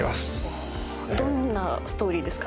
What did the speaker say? どんなストーリーですか？